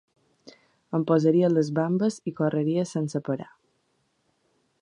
Em posaria les bambes i correria sense parar.